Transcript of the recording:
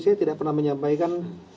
saya tidak pernah menyampaikan